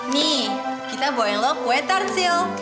nih kita bawain lo kue tart sisil